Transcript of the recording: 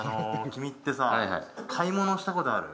君ってさ、買い物したことある？